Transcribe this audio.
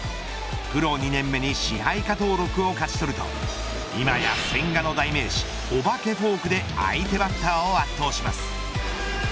プロ２年目に支配下登録を勝ち取ると今や、千賀の代名詞お化けフォークで相手バッターを圧倒します。